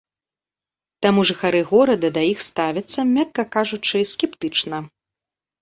Таму жыхары горада да іх ставяцца, мякка кажучы, скептычна.